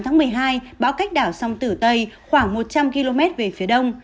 trong một mươi hai h bão cách đảo sông tử tây khoảng một trăm linh km về phía đông